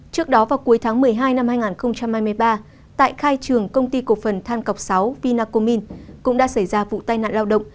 trước đó vào cuối tháng một mươi hai năm hai nghìn hai mươi ba tại khai trường công ty cổ phần than cọc sáu vinacomin cũng đã xảy ra vụ tai nạn lao động